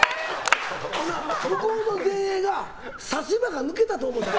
向こうの前衛が差し歯が抜けたと思って。